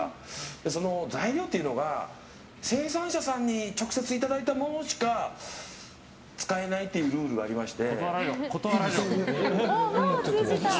その材料っていうのが生産者さんに直接いただいたものしか使えないルールがありまして。